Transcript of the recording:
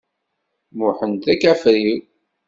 Muḥend d akafriw.